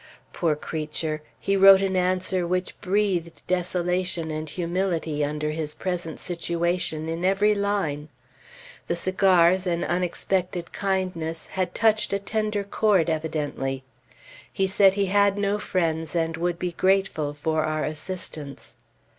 Poor creature! He wrote an answer which breathed desolation and humility, under his present situation, in every line. The cigars, an unexpected kindness, had touched a tender cord evidently. He said he had no friends, and would be grateful for our assistance.